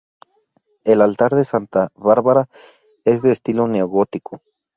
El altar de santa Bárbara es de estilo neogótico.